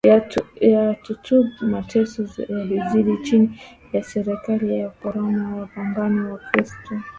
ya tatub mateso yalizidi chini ya serikali ya Waroma Wapagani Wakristo